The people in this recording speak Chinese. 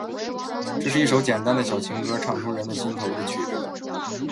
这是一首简单的小情歌，唱出人们心头的曲折